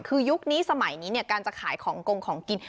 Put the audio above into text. คือยุคนี้สมัยนี้การจะขายของกงของกิน